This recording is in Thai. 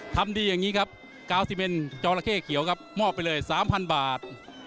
ทำดีอย่างนี้ครับ๙๑จอละเข้เขียวครับมอบไปเลย๓๐๐บาท